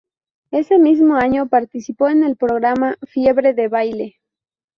Ese mismo año participó en el programa "Fiebre de baile".